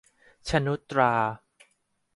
ชนุชตรา